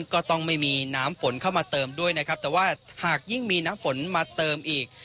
ก็ต้องไม่มีน้ำฝนเข้ามาเติมด้วยนะครับแต่ว่าหากยิ่งมีน้ำฝนมาเติมอีก